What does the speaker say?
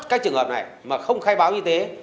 các trường hợp này mà không khai báo y tế